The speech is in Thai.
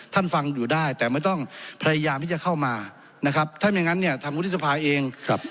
ฟังอยู่ได้แต่ไม่ต้องพยายามที่จะเข้ามานะครับถ้าไม่งั้นเนี่ยทางวุฒิสภาเองครับ